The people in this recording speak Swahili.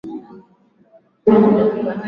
mzunguko wa vipindi umepangwa na watangazaji wenyewe